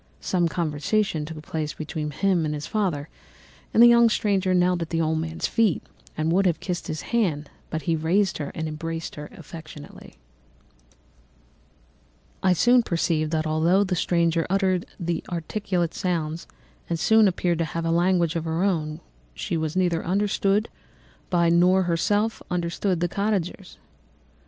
Some conversation took place between him and his father, and the young stranger knelt at the old man's feet and would have kissed his hand, but he raised her and embraced her affectionately. "I soon perceived that although the stranger uttered articulate sounds and appeared to have a language of her own, she was neither understood by nor herself understood the cottagers.